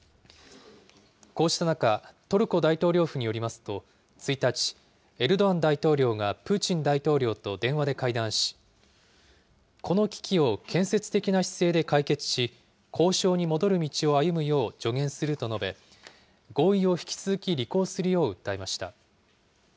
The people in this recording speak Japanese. こうした中、トルコ大統領府によりますと、１日、エルドアン大統領がプーチン大統領と電話で会談し、この危機を建設的な姿勢で解決し、交渉に戻る道を歩むよう助言すると述べ、合意を引き続き履行するよう訴えました。